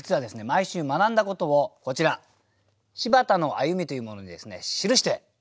毎週学んだことをこちら「柴田の歩み」というものにですね記しておりますね。